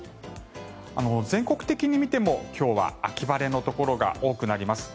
全国的に見ても今日は秋晴れのところが多くなります。